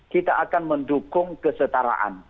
kita akan mendukung kesetaraan